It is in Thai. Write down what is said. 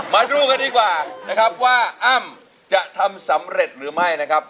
มาดูกันดีกว่านะครับว่าอ้ำจะทำสำเร็จหรือไม่นะครับ